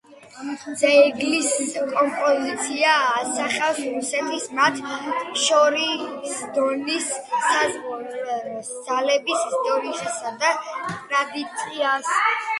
ძეგლის კომპოზიცია ასახავს რუსეთის, მათ შორის დონის, სასაზღვრო ძალების ისტორიასა და ტრადიციას.